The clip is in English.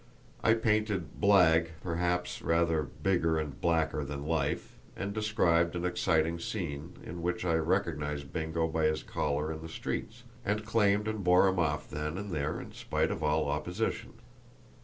I painted Blagg perhaps rather bigger and blacker than life, and described an exciting scene, in which I recognised Bingo by his collar in the streets, and claimed and bore him off then and there in spite of all opposition.